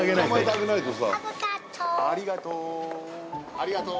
ありがとう。